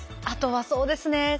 あとはそうですね。